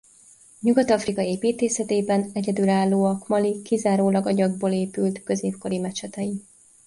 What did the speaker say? Nyugat-Afrika építészetében egyedülállóak Mali kizárólag agyagból épült középkori mecsetei.